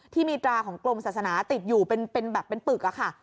ที่มีตราของกรมศาสนาติดอยู่เป็นแบบเป็นปึกอะค่ะ